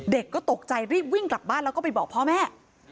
เด็กก็ตกใจรีบวิ่งกลับบ้านแล้วก็ไปบอกพ่อแม่